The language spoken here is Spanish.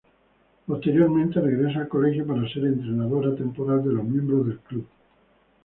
Posteriormente regresa al colegio para ser entrenadora temporal de los miembros del club.